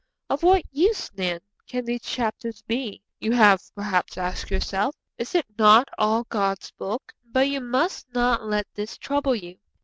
Of what use, then, can these chapters be? you have perhaps asked yourself. Is it not all God's Book? But you must not let this trouble you.